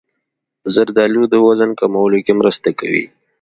زردالو د وزن کمولو کې مرسته کوي.